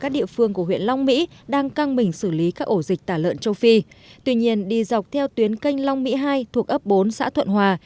dịch tỏa lợn châu phi tuy nhiên đi dọc theo tuyến canh long mỹ hai thuộc ấp bốn xã thuận hòa